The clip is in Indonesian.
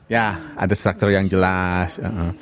ya ada struktur yang jelas